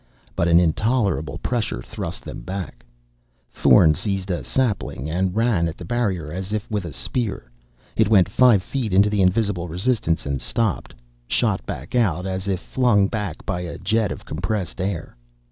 But an intolerable pressure thrust them back. Thorn seized a sapling and ran at the barrier as if with a spear. It went five feet into the invisible resistance and stopped, shot back out as if flung back by a jet of compressed air.